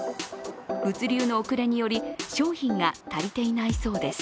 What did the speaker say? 物流の遅れにより、商品が足りていないそうです。